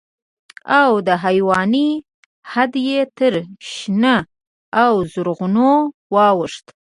او د حيرانۍ حد يې تر شنه او زرغونه واوښت.